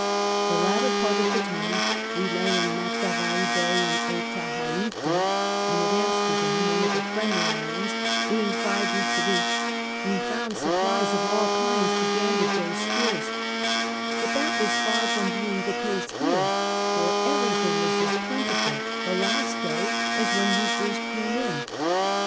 Tlie latter part of the time Ave lay in MataA'ai Bay in Otaheite, and at Amsterdam, one of the Friendly Islands, being five weeks at each ; we found supplies of all kinds began to groAV scarce ; but that Avas far from being the case here ; for everything was as plentiful the last day as when we first came in.